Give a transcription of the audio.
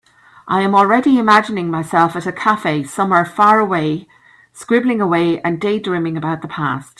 I am already imagining myself at a cafe somewhere far away, scribbling away and daydreaming about the past.